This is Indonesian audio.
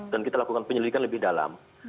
dan kita lakukan penyelidikan lebih dalam